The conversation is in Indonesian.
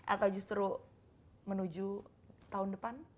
atau justru menuju tahun depan